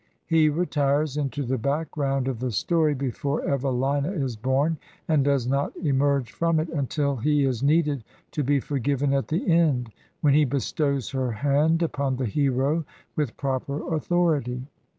He retires into the background of the story before Evelina is bom, and does not emerge from it until he is needed to be forgiven at the end, when he bestows her hand upon the hero with proper authority.